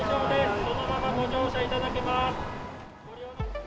そのままご乗車いただけます。